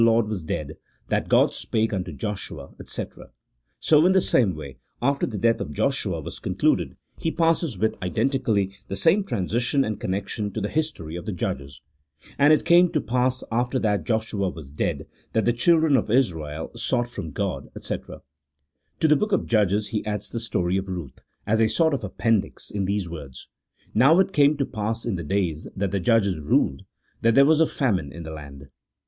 129 Lord was dead, that God spake unto Joshua," &c, so in the same way, after the death of Joshua was concluded, he passes with identically the same transition and connection to the history of the Judges :" And it came to pass after that Joshua was dead, that the children of Israel sought from God," &c. To the book of Judges he adds the story of Kuth, as a sort of appendix, in these words :" Now it came to pass in the days that the judges ruled, that there was a famine in the land."